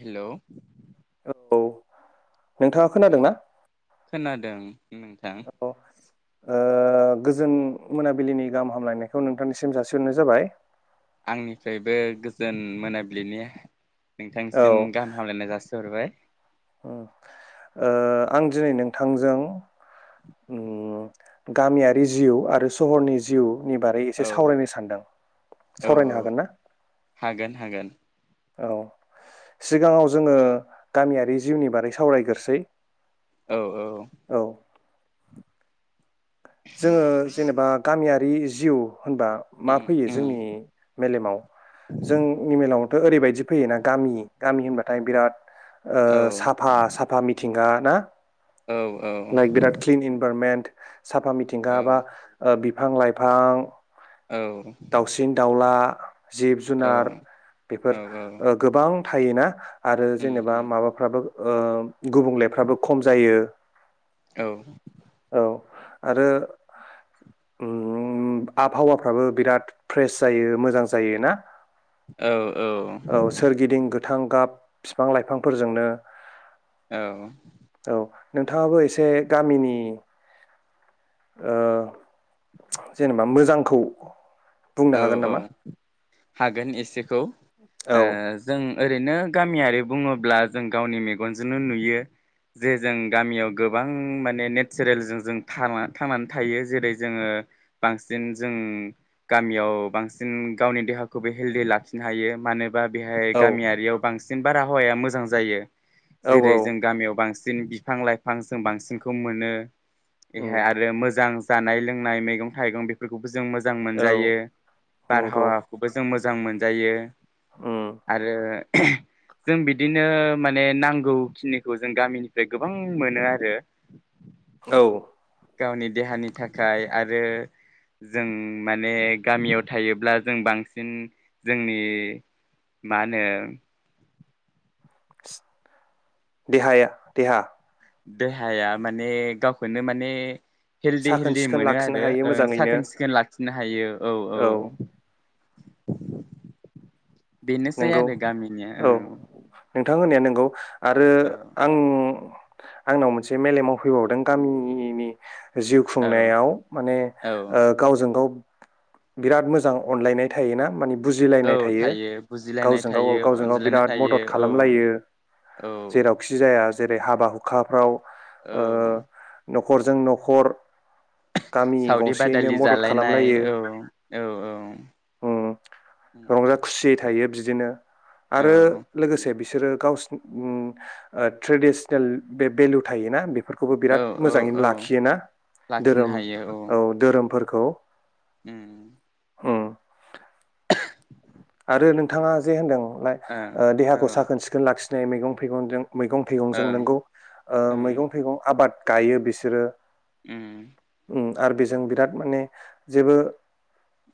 Hello औ नोंथाङा औ खोनादों ना खोनादों नोंथां? औ ओ गोजोन मोनाबिलिनि गाहाम हामलायनायखौ नोंथांनिसिम जासिहरनाय जाबाय। आंनिफ्रायबो गोजोन मोनाबिलिनि औ नोंथांनिसिम गाहाम हामलायनाय जासिहरबाय। ओ आं दिनै नोंथांजों उम गामियारि जिउ आरो सहरनि जिउ नि बारै एसे औ सावरायनो सानदों औ सावरायनो हागोन ना? हागोन हागोन औ सिगाङाव जोङो गामियारि जिउनि बारै सावरायग्रोसै। औ औ औ जोङो जेनेबा गामियारि जिउ होनबा मा उम फैयो उम जोंनि मेलेमाव जोंनि मेलाव ओरैबायदि फैयोना गामि गामि होनबाथाय बिराद ओ औ साफा साफा मिथिंगा ना? औ औ लाइक बिराद क्लिन इनभाइरमेन्ट। साफा मिथिंगा बा ओ बि बिफां लाइफां औ दाउसिन दाउला जिब औ जुनार बेफोर औ ओ गोबां थायोना। आरो उम जेनेबा उम माबाफ्राबो ओ गुबुंलेफ्राबो खम जायो। औ औ आरो उम आबहावाफ्राबो बिराद फ्रेस जायो मोजां जायो ना औ औ औ सोरगिदिं गोथां गाब बिफां लाइफांफोरजोंनो औ औ नोंथाङाबो एसे गामिनि ओ जेनेबा मोजांखौ बुंनो औ हागोन औ नामा? हागोन एसे खौ औ ओ जों ओरैनो गामियारि बुङोब्ला जों गावनि मेगनजोंनो नुयो जे जों गामियाव गोबां माने नेचारेलजों जों थां थांनानै थायो जेरै जोङो बांसिन जों गामियाव बांसिन गावनि देहाखौबो हेल्दि लाखिनो हायो मानो होन बा बेहाय औ गामियारियाव बांसिन न बारहावाया मोजां जायो। औ औ जेरै जों गामियाव बांसिन दिनै बिफां लाइफां जों बांसिनखौ मोनो उम बेहाय आरो मोजां जानाय लोंनाय मैगं थाइगं बेफोरखौबो जों मोजां औ जायो नंगौ बारहावाखौबो जों मोज जां मोनजायो उम आरो जों बिदिनो माने नांगौखिनिखौ जों गामिनिफ्राय गोबां मोनो आरो औ गावनि देहानि थाखाय आरो जों माने गामियाव थायोब्ला जों बांसिन जोंनि मा होनो देहाया देहा देहाया माने गावखौनो माने हेलदि साखोन हेलदि सिखोन मोनो लाखिनो आरो हायो मोजाङैनो साखोन सिखोन लाखि फिननो हायो औ बेनोसै नंगौ आरो गामिनिया औ नोंथां होन्नाया नोंगौ। आरो औ आं आंनाव मोनसे मेलेमाव फैबावदों गामिनि जिउ औ खुंनायाव माने औ ओ गावजों गाव बिराद मोजां अनलायनाय थायोना माने औ बुजिलायनाय थायो। बुजिलायनाय गावजों गाव थायो गावजों गाव अनज्लायनाय बिराद थायो मदद खालामलायो औ जेरावखि जाया। जाया जेरै हाबा हुखाफ्राव औ ओ न'खरजों न'खर गामि सावरि गंसेयैनो बादालि मदद जालायनाय खालामलायो औ औ औ उम रंजा खुसियै थायो बिदिनो औ आरो लोगोसे बे बिसोरो गावसि ओम ओ ट्रेदिसनेल बे भेलु थायोना फोरखौबो औ बिराद औ मोजाङैनो औ लाखियोना लाखिनो धोरोम हायो औ धोरोमफोरखौ उम ओम [unintelligible] आरो नोंथाङा जे ओं होनदों औ देहाखौ साखोन सिखोन लाखि मैगं थाइगंजों मैगं थाइगंजों ओं नोंगौ ओ ओं मैगं थाइगं आबाद गायो बिसोरो ओम आरो बेजों बिराद माने जेबो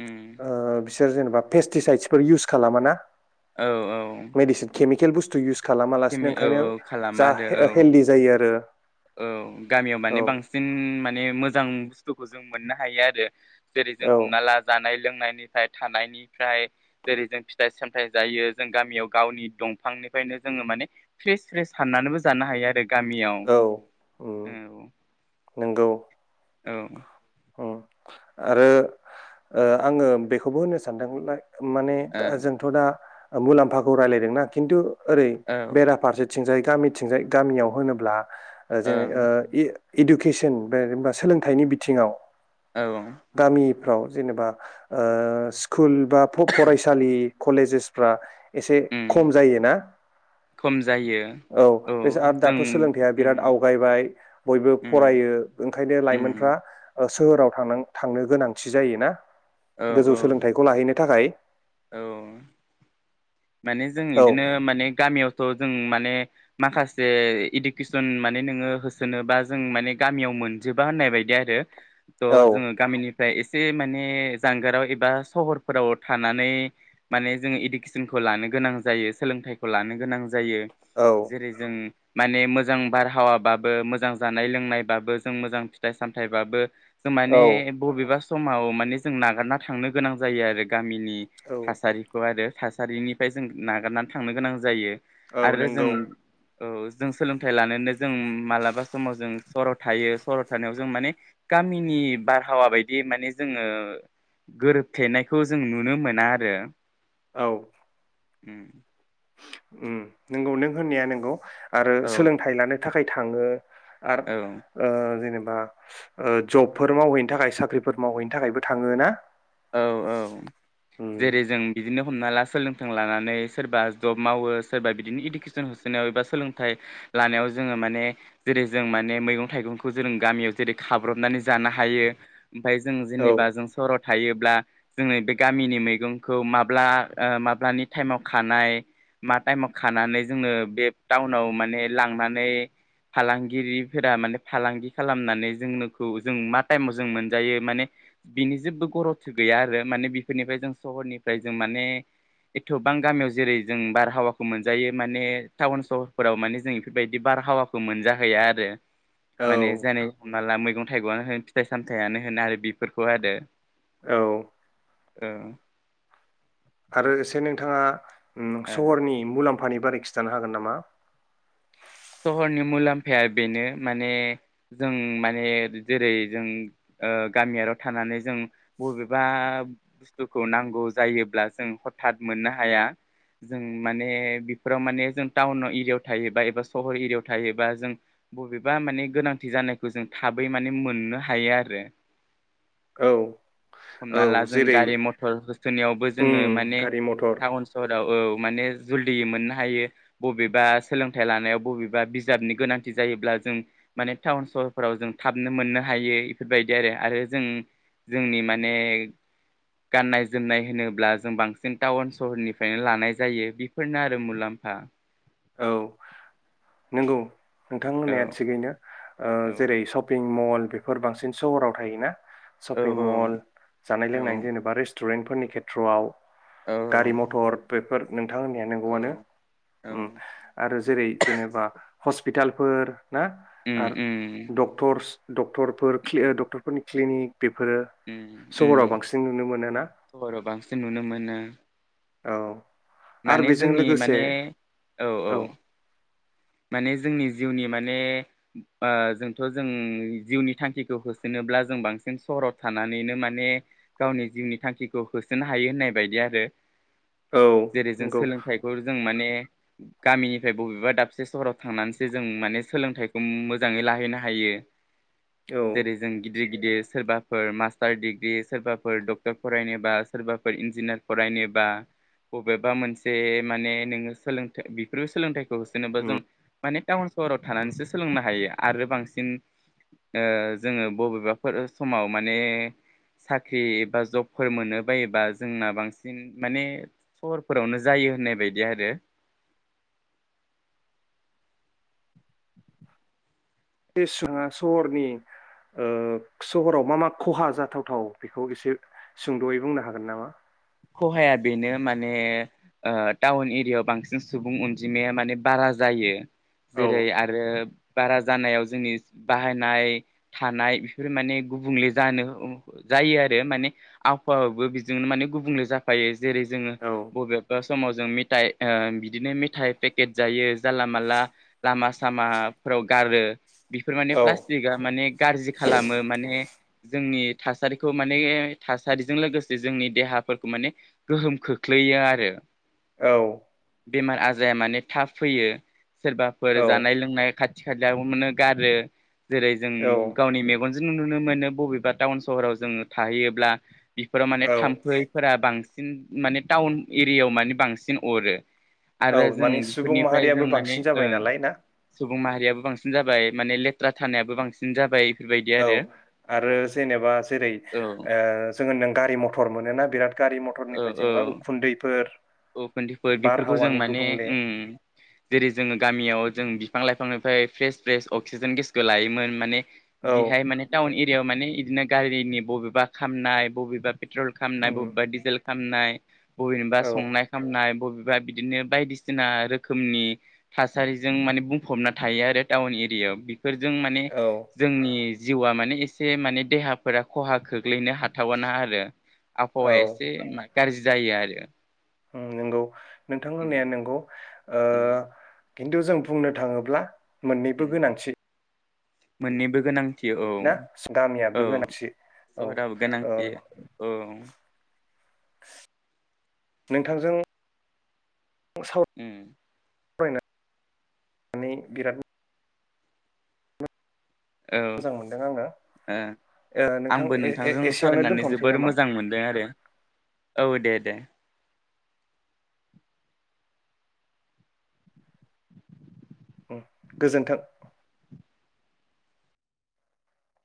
ओम ओ बिसोर जेनेबा पेस्टिसाइसफोर इउस खालामा ना औ औ खेल बुस्थु इउस खालामा लासिनो फेमि औ ओंखायनो औ खालामो जा आरो हेल- औ हेलडि जायो आरो औ गामियाव औ माने बांसिन माने मोजां मोजां बुस्थुखौ जों मोननो हायो आरो जेरै जों औ हमना ला जानाय लोंनाय बेनिफ्राय थानायनिफ्राय जेरै जों फिथाइ सामथाइ जायो जों गामियाव गावनि दंफांनिफ्रायनो जोङो माने फ्रेस फ्रेस हाननानैबो जानो हायो आरो गामियाव ए औ नोंगौ औ ओम आरो ओ आङो बेखौबो होनो सानदोंमोनलाय माने औ जोंथ' दा मुलाम्फाखौ रायलायदोंना खिन्थु ओरै औ बेराफारसे थिंजाय गामिथिंजाय गामियाव होनोब्ला ओ औ जेन ओ इ इडुकेसन बा सोलोंथाइनि बिथिङाव औ फाव जेनेबा ओ स्कुल बा फ -फरायसालि कलेजेस फ्रा एसे उम खम जायो ना खम जायो औ बे जों दाथ' सोलोंथाइया उम बिराद आवगायबाय बयबो उम फरायो ओंखायनो लाइमोनफ्रा उम सोहोराव थां थांनो गोनांथि जायोना औ गोजौ सोलोंथाइखौ लाहैनो थाखाय औ माने जों औ इदिनो माने गामियाव थ' जों माने माखासे इडुकेसन माने नोङो होसोनबा जों माने गामियाव मोनजोबा होननाय बायदि आरो औ थ' जोङो गामिनि ओमफाय एसे माने जानगाराव एबा सहरफोराव थानानै माने जों इडुकेस न खौ लानो गोनां जायो सोलोंथाइखौ लानो गोनां जायो औ जायो जेरै जों माने मोजां बारहावाबाबो मोजां जानाय लोंनायबाबो जों मोजां फिथाइ सामथायाइबाबो जों औ माने बबेबा स समाव माने जों नागारना थांनो गोनां जायो आरो गामिनि औ थासारिखौ आरो थासारिनिफ्राय जों नागारनानै थांनो गोनां जायो औ आरो नंगौ जोंङो औ जों सोलोंथाइ लानोनो जों मालाबा समाव जों सराव थायो सराव थानायाव जों माने गामिनि बारहावा बायदि माने जोङो गोरोबथेनायखौ जों नुनो मोना आरो औ उम उम नोंगौ नों होननाया नोंगौ। आरो औ सोलोंथाइ लानो थाखाय थाङो आरो ओ जेनबा बा ओ जबफोर मावहैनो थाखाय साख्रिफोर मावहैनो थाखायबो थाङो ना औ औ उम जेरै जों बि बिदिनो हमना ला सोलोंथों लानानै सोरबा जब मावो सोरबा बिदिनो इडुकेसन होसोनायाव एबा सोलोंथाइ लानायाव जोङो माने जेरै जों माने मैगं थाइगंखौ जों गामियाव जेरै खाब्र'बनानै जानो हायो ओमफाय जों औ जेनेबा जों सरत थायोब्ला जोङो बे गामिनि मैगंखौ माब्ला ओ माब्लानि टाइमाव खानाय मा टाइमाव खानानै जोंङनो बे टाउनाव माने लांनानै फालांगिरिफोरा माने फालांगि खालामनानै जोंनोखौ जों मा टाइमाव जों मोनजायो माने बिनि जेबो खरफसो गैया आरो माने बेफोरनिफ्राय जों सहरनिफ्राय जों माने एथ'बां गामियाव जेरै जों बारहावाखौ मोनजायो माने टाउन सहरफोराव माने जों बेफोरबायदि बारहावाखौ मोनजाहैया आरो औ माने जानै माला मैगं थाइगंनो होन फिथाइ सामथायाइयानो होन आरो बेफोरखौ आरो औ ओं आरो एसे नोंथाङा उम ओ सहरनि मुलामफा फानि बारै खिन्थानो हागोन नामा सहरनि मुलाम्फाया बेनो माने जों माने जेरै जों ओ गामियारियाव थानानै जों बबेबा बुस्थुखौ नांगौ जायोब्ला जों हथात मोननो हाया जों माने बेफोराव माने जों टाउन एरियायाव थायोबा एबा सहर एरियायाव थायोबा जों बबेबा माने गोनांथि जानायखौ जों थाबै माने मोननो हायो आरो औ औ हमना ला जों जेरै गारि मथर होसोनोनायावबो उम जोङो माने गारि मथर टाउन सहराव औ माने जलदियै मोननो हायो बबेबा सोलोंथाइ लानायाव बबेबा बिजाबनि गोनांथि जायोब्ला जों माने टाउन सहरफोराव जों थाबनो मोननो हायो इफोरबायदि आरो आरो जों जोंनि माने गाननाय जोमनाय होनोब्ला जों बांसिन टाउन सहरनिफ्रायनो लानाय जायो बेफोरनो आरो मुलाम्फा औ नोंगौ। नोंथां औ होन्नाया थिगैनो औ जेरै शपिं मल बेफोर बांसिन सहराव थायोना। औ सपिं मल जानाय औ लोंनायनि जेनेबा रस टुरेन्टफोरनि खेथ्र'आव औ गारि मथर बेफोर नोंथां होननाया नंगौ आनो औ उम आरो जेरै जेनेबा हस्पिटालफोर ना उम आरो उम डक्टरस डक्टरफोर क्लि ओ डक्टरफोरनि क्लिनिक बेफोरो उम उम सहराव बांसिन नुनो मोनोना सहराव बांसिन नुनो मोनो औ आरो माने बेजों जोंनि लोगोसे माने औ औ माने जोंनि जिउनि माने ओ जोंथ' जों जिउनि थांखिखौ होसोनोब्ला जों बांसिन सहर थानानैनो माने गावनि जिउनि थांखिखौ होसोनो हायो होननाय बायदि आरो औ जेरै जों नंगौ सोलोंथाइखौ जों माने गामिनिफ्राय बबेबा दाबसे सहराव थांनानैसो जों माने सोलोंथाइखौ मोजाङै लाहैनो हायो औ जेरै जों गिदिर गिदिर सोरबाफोर मास्टार डिग्रि सोरबाफोर डक्टर फरायनोबा सोरबाफोर इन्जिनियार फरायनोबा बबेबा मोनसे माने नोङो सोलोंथाइ बेफोरो सोलोंथाइखौ जेनेबा जों माने टाउन सहराव थानानैसो सोलोंनो हायो आरो बांसिन ओ जोङो बबेबाफोर समाव माने साख्रि एबा जबफोर मोनो बायोबा जोंना बांसिन माने सहरफोरावनो जायो होननाय बायदि आरो एस ओ सहरनि ओ सहराव मा मा खहा जाथावथाव बेखौ एसे सुंद'यै बुंनो हागोन नामा खहाया बेनो माने ओ टाउन एरियायाव बांसिन सुबुं अनजिमाया माने बारा जायो औ जेरै आरो बारा जानायाव जोंनि बाहायनाय थानाय बेफोर माने गुबुंले जानो जायो आरो माने आबहावाबो बेजोंनो माने गुबुंले जाफायो। जेरै जोङो औ बबेबा समाव जों मेथाइ ओ बिदिनो मेथाइ पेकेट जायो जानला मानला लामा सामाफ्राव गारो। बेफोर माने औ प्लास्टिकआ माने गाज्रि खालामो माने जोंनि थासारिखौ माने थासारिजों लोगोसे जोंनि देहाफोरखौ माने गोहोम खोख्लैयो आरो। औ बेमार आजाया माने थाब फैयो। सोरबाफोर औ जानाय लोंनाय खाथि खाथि खालायावनो गारो। जेरै जों औ गावनि मेगन जों नुनो मोनो बबेबा टाउन सहराव जोङो थाहैयोब्ला। बेफोराव माने औ थाम्फै बांसिन माने टाउन एरियायाव माने बांसिन अरो औ आरो जों माने सुबुं बेफोरनिफ्राय जों माहारियाबो माने बांसिन ओ जाबाय नालाय ना सुबुं माहारियाबो बांसिन बांसिन जाबाय माने लेथ्रा थानायाबो बांसिन जाबाय। बेफोरबायदि औ आरो आरो जेनेबा जेरै औ ओ जों होनदों गारि मथर मोनोना बिराद गारि मथरनिफ्राय जेनेबा उखुन्दैफोर उखुनदैफोर बेफोरखौ जों बारहावानि माने गुबुंले ओम जेरै जोङो गामियाव जों बिफां लाइफांनिफ्राय फ्रेस फ्रेस अक्सिजेन गेसखौ लायोमोन माने औ बिहाय माने टाउन एरियायाव माने इदिनो गारिनि बबेबा खामनाय बबेबा पेट्रल खालामनाय उम बबेबा दिजेल खामनाय औ [unintelligible] खामनाय बबेबा बिदिनो बायदिसिना रोखोमनि थासारिजों माने बुंफबना थायो आरो टाउन एरियायाव। बेफोरजों माने औ जोंनि जिउआ माने एसे माने देहाफोरा खहा खोख्लैनो हाथावाना आरो। आबहावाया औ एसे गाज्रि जायो आरो नंगौ नोंथां उम होननाया नोंगौ। ओ उम खिन्थु जों बुंनो थाङोब्ला मोननैबो उम गोनांथि मोननैबो गोनां ना गामियाबो गोनांथि औ सहराबो ओ। गोनांथि औ नोंथांजों उम बायनानै बिराद मोजां औ मोनदों आङो ओ ओ नोंथां आंबो ए ए नोंथांजों एसेयावनो सालरायनानै दोनथ'नोसै जोबोर नामा? मोजां मोनबाय आरो औ दे दे उम गोजोन्थों